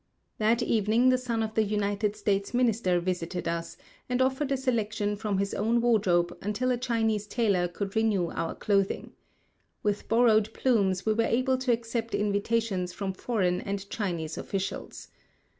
That evening the son of the United States minister visited us, and offered a selection from his own wardrobe until a Chinese tailor could renew our clothing. With borrowed plumes we were able to accept invitations from foreign and Chinese officials.